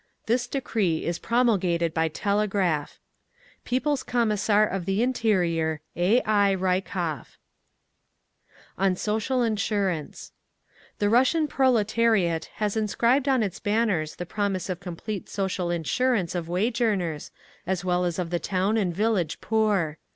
This decree is promulgated by telegraph. People's Commissar of the Interior, A. I. RYKOV. On Social Insurance The Russian proletariat has inscribed on its banners the promise of complete Social Insurance of wage workers, as well as of the town and village poor.